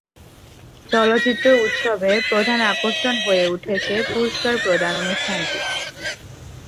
চলচ্চিত্র উৎসবের প্রধান আকর্ষণ হয়ে উঠেছে পুরস্কার প্রদান অনুষ্ঠানটি।